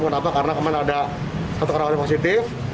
kenapa karena kemarin ada satu orang yang positif